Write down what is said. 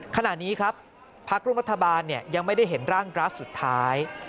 ขณะนี้ครับพักร่วมรัฐบาลยังไม่ได้เห็นร่างกราฟสุดท้าย